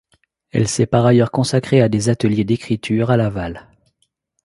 Elle s'est par ailleurs consacrée à des ateliers d'écriture à Laval.